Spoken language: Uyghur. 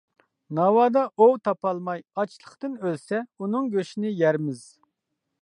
ناۋادا ئوۋ تاپالماي ئاچلىقتىن ئۆلسە ئۇنىڭ گۆشىنى يەرمىز.